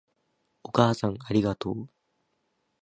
お母さんありがとう